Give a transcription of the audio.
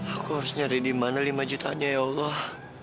aku harus nyari dimana lima jutaan nya ya allah